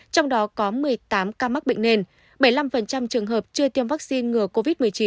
trong đó có một mươi tám ca mắc bệnh nền bảy mươi năm trường hợp chưa tiêm vaccine ngừa covid một mươi chín